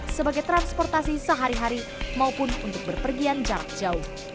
sebagai transportasi sehari hari maupun untuk berpergian jarak jauh